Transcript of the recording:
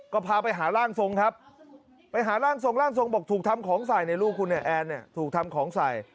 ก็พาไปหาร่างทรงครับไปหาร่างทรงร่างทรงบอกถูกทำของใส่ในลูกคุณเนี่ยแอนเนี่ยถูกทำของใส่